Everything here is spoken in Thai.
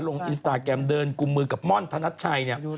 สุดหวานลงอินสตาแกรมเดินกลุ่มมือกับม่อนธนัดชัยเนี่ย